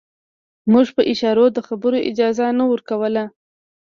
موږ په اشارو د خبرو اجازه نه ورکوله.